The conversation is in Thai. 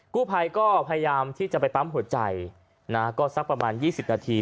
กู้ภัยก็พยายามที่จะไปปั๊มหัวใจนะก็สักประมาณ๒๐นาที